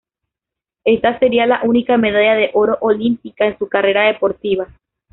Ésta sería la única medalla de oro olímpica en su carrera deportiva.